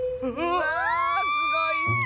⁉わあすごいッス！